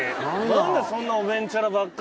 何でそんなおべんちゃらばっかり。